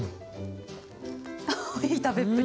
アハハいい食べっぷり。